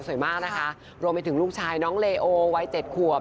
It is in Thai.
สวยมากนะคะรวมไปถึงลูกชายน้องเลโอวัยเจ็ดขวบ